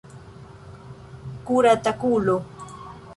Kuratakulo!